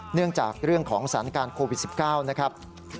เนื่องจากเรื่องของสถานการณ์โควิด๑๙นะครับ